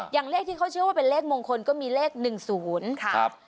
อย่างเลขที่เขาเชื่อว่าเป็นเลขมงคลก็มีเลขหนึ่งศูนย์ครับ